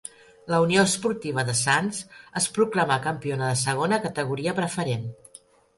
La Unió Esportiva de Sants es proclamà campiona de Segona Categoria Preferent.